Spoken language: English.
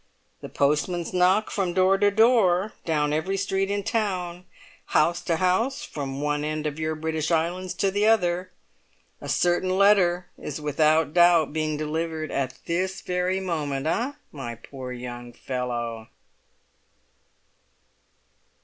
"The postman's knock from door to door down every street in town—house to house from one end of your British Islands to the other! A certain letter is without doubt being delivered at this very moment—eh, my poor young fellow?"